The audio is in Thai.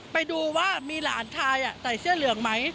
ไปดูว่ามีหลานชายใส่เสื้อเหลืองไหม